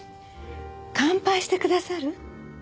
乾杯してくださる？